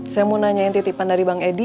saya mau nanyain titipan dari bang edi